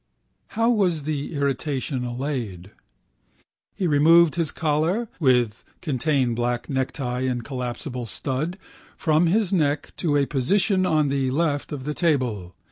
How was the irritation allayed? He removed his collar, with contained black necktie and collapsible stud, from his neck to a position on the left of the table.